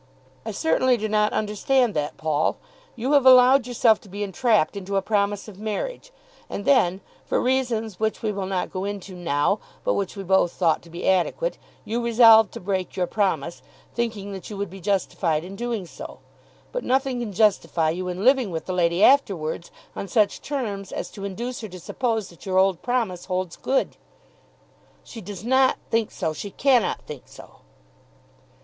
"I certainly do not understand that, Paul. You have allowed yourself to be entrapped into a promise of marriage; and then, for reasons which we will not go into now but which we both thought to be adequate, you resolved to break your promise, thinking that you would be justified in doing so. But nothing can justify you in living with the lady afterwards on such terms as to induce her to suppose that your old promise holds good." "She does not think so. She cannot think so."